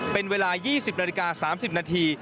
เป็นเวลา๒๐นาฬิกา๓๐นาที